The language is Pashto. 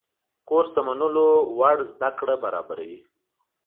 کورس د منلو وړ زده کړه برابروي.